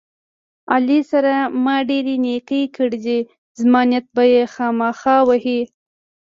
علي سره ما ډېرې نیکۍ کړې دي، زما نیت به یې خواخما وهي.